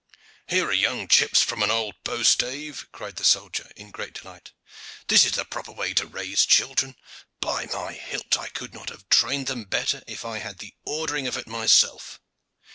"Here are young chips from an old bow stave!" cried the soldier in great delight. "This is the proper way to raise children. By my hilt! I could not have trained them better had I the ordering of it myself."